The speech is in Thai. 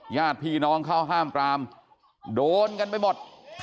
ญาติพี่น้องเข้าห้ามปรามโดนกันไปหมด